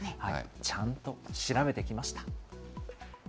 ちゃんと調べてきました。